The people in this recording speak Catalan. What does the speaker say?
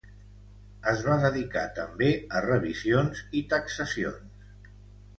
Es va dedicar també a revisions i taxacions.